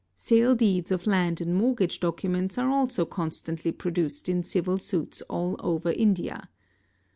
'Sale deeds of land and mortgage documents are also constantly produced in civil suits all over India.